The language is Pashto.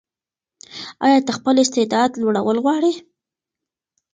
ایا ته خپل استعداد لوړول غواړې؟